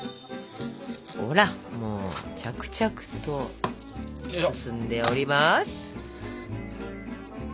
ほらもう着々と進んでおります！